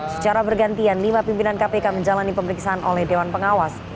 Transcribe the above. secara bergantian lima pimpinan kpk menjalani pemeriksaan oleh dewan pengawas